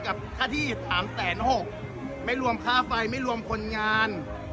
กับค่าที่สามแสนหกไม่รวมค่าไฟไม่รวมคนงาน